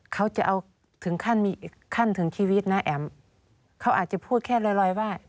เขาจะเอาถึงขั้นมีอีกขั้นถึงชีวิตนะแอ๋มเขาอาจจะพูดแค่ลอยว่า